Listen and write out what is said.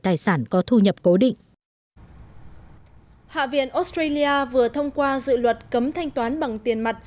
tài sản có thu nhập cố định hạ viện australia vừa thông qua dự luật cấm thanh toán bằng tiền mặt